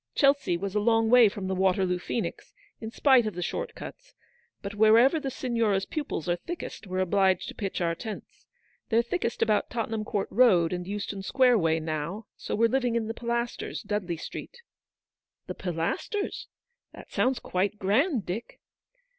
Chelsea was a long way from the Waterloo Phcenix, in spite of the short cuts ; but wherever the Signora's pupils are thickest, we're obliged to pitch our tents. They're thickest about Tottenham court Road and Euston Square way now : so we're living in the Pilasters, Dudley Street." '? The Pilasters ! That sounds quite grand, Dick."